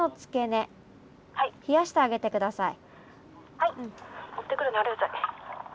☎はい。